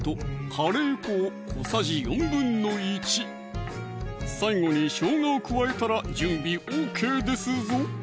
カレー粉を小さじ１／４最後にしょうがを加えたら準備ＯＫですぞ